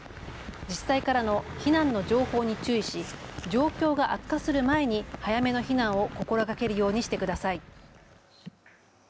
自治体からの避難の情報に注意し状況が悪化する前に早めの避難を心がけるようにしてください。